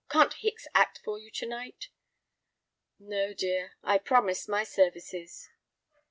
Can't Hicks act for you to night?" "No, dear, I promised my services."